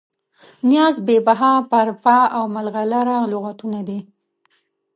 نیاز، بې بها، برپا او ملغلره لغتونه دي.